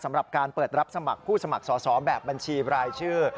สำหรับการเปิดรับสมัครผู้สมัครสอบแบบบัญชีรายชื่อ